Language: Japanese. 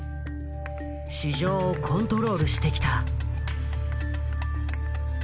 市場をコントロールしてきた。